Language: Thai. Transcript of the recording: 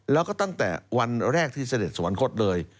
แล้วก็ตั้งแต่วันแรกที่เสด็จสวรรคตเลย